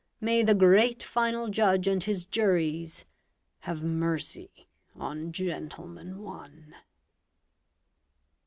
May the great Final Judge and His juries Have mercy on "Gentleman, One"!